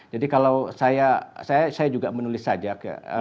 jadi kalau saya juga menulis sajak